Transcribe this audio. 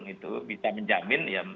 itu bisa menjamin